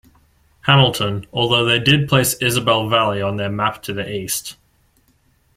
Hamilton, although they did place Isabel Valley on their map to the east.